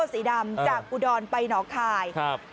จากอุโดรไปหนองข่าย